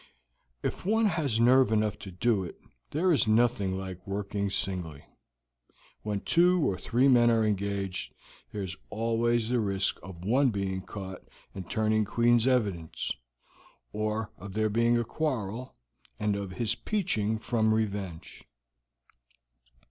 If one has nerve enough to do it, there is nothing like working singly; when two or three men are engaged, there is always the risk of one being caught and turning Queen's evidence, or of there being a quarrel, and of his peaching from revenge.